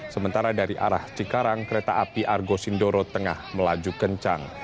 sementara dari arah cikarang kereta api argo sindoro tengah melaju kencang